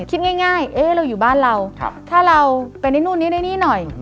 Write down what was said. คิดง่ายเราอยู่บ้านเราถ้าเราไปนู่นนี่ได้นี่หน่อย